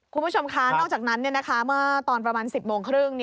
คุณผู้ชมคะน่าว่าตอนประมาณ๑๐โมงครึ่ง